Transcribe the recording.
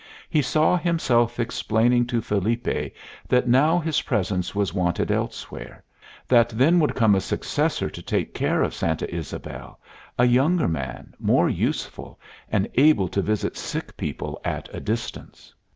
He saw himself explaining to Felipe that now his presence was wanted elsewhere; that than would come a successor to take care of Santa Ysabel a younger man, more useful, and able to visit sick people at a distance.